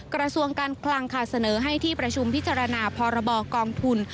กระทรวงการคลังค่ะเสนอให้ที่ประชุมพิจารณาพรบกองทุน